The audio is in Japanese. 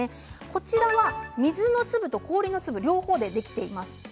こちらは水の粒と氷の粒両方で、できています。